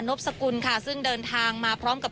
บสกุลค่ะซึ่งเดินทางมาพร้อมกับ